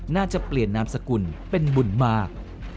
น่าจะเปลี่ยนนามสกุลเป็นบุญมาก